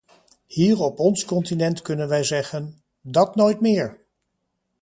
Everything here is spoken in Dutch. Hier op ons continent kunnen wij zeggen: dat nooit meer!